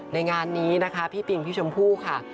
ในงานนี้นะคะพี่ปิงพี่ชมพู่ค่ะ